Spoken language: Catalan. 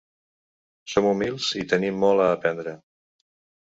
Som humils i tenim molt a aprendre.